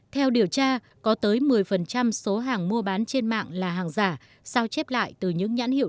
theo điều tra có tới một mươi số hàng mua bán trên mạng là hàng giả sao chép lại từ những nhãn hiệu